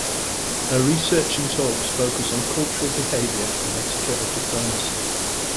Her research and talks focus on cultural behavior and etiquette of diplomacy.